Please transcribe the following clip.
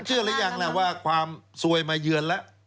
คุณเชื่อรึยังว่าความสวยมาเยือนละ